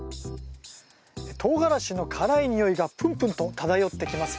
トウガラシの辛いにおいがプンプンと漂ってきます。